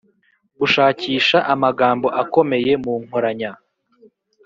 Gushakisha amagambo akomeye mu nkoranya